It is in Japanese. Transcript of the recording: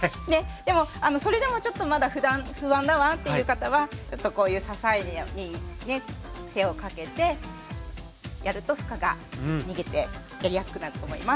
でもそれでもちょっとまだ不安だわっていう方はちょっとこういう支えにね手をかけてやると負荷が逃げてやりやすくなると思います。